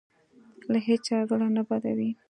له هېچا زړه نه بدوي.